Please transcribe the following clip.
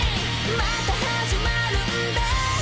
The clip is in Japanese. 「また始まるんだ」